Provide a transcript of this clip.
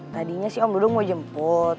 tadinya sih om dulu mau jemput